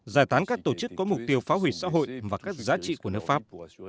giải tán các tổ chức có mục tiêu phá hủy xã hội và các giá trị của nước pháp